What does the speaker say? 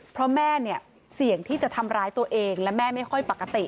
เพราะแม่เนี่ยเสี่ยงที่จะทำร้ายตัวเองและแม่ไม่ค่อยปกติ